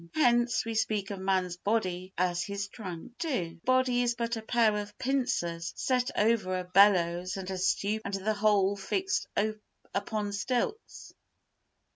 Hence we speak of man's body as his "trunk." ii The body is but a pair of pincers set over a bellows and a stewpan and the whole fixed upon stilts.